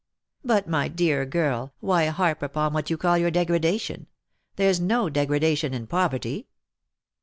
"But, my dear girl, why harp upon what you call your degradation ? There's no degradation in poverty."